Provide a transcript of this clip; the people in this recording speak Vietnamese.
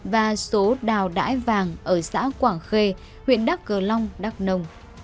và số đào đãi vàng ở xã quảng khê huyện đắc cờ long đắc nông